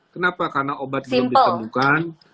kenapa karena obat belum ditemukan